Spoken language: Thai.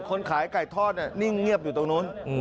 คนขายไก่ทอดนิ่งเงียบอยู่ตรงนู้น